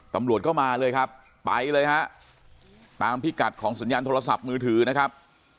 ตำรวจก็มาเลยครับไปเลยฮะตามพิกัดของสัญญาณโทรศัพท์มือถือนะครับ